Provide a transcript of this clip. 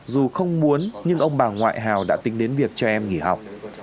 dù không muốn nhưng ông bà ngoại hào đã tính đến việc cho em nghỉ học